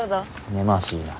根回しいいな。